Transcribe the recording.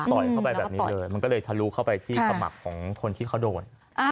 เข้าไปแบบนี้เลยมันก็เลยทะลุเข้าไปที่ขมับของคนที่เขาโดน